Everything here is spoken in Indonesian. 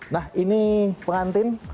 nah ini pengantin